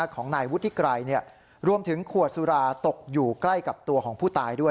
ของนายวุฒิไกรรวมถึงขวดสุราตกอยู่ใกล้กับตัวของผู้ตายด้วย